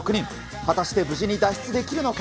果たして無事に脱出できるのか。